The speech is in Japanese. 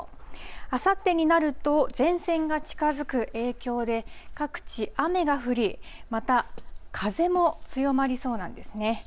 あさってになると、前線が近づく影響で、各地、雨が降り、また、風も強まりそうなんですね。